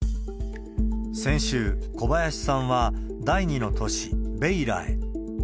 先週、小林さんは、第２の都市、ベイラへ。